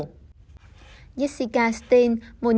jessica stein một nhà tâm lý học lý doanh nghiệp của trung quốc nói rằng